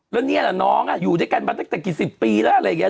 แล้วนี่นะน้องอยู่ด้วยกันต๊ะกี่สิบปีแล้ว